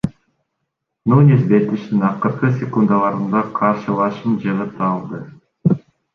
Нунес беттештин акыркы секундаларында каршылашын жыгыта алды.